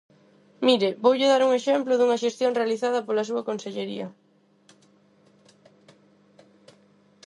Mire, voulle dar un exemplo dunha xestión realizada pola súa consellería.